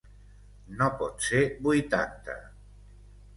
No pot ser vuitanta.